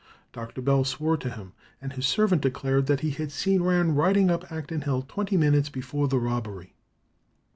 Dr. Bell swore to him, and his servant declared that he had seen Rann riding up Acton Hill twenty minutes before the robbery.